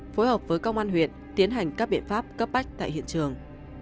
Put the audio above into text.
phối hợp với công an huyện tiến hành các biện pháp cấp bách tại hiện trường